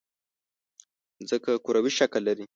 مځکه کروي شکل لري.